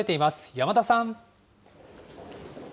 山田さん。